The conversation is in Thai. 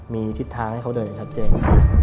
มีทิศทางให้เขาเดินอย่างชัดเจน